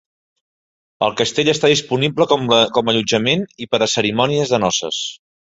El castell està disponible com a allotjament i per a cerimònies de noces.